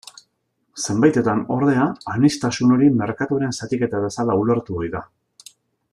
Zenbaitetan, ordea, aniztasun hori merkatuaren zatiketa bezala ulertu ohi da.